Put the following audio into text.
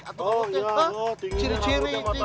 atau kamu tuh ciri ciri tinggi